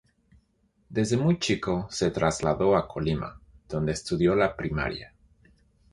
Desde muy chico se trasladó a Colima, donde estudió la primaria.